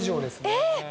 えっ！